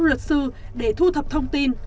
luật sư để thu thập thông tin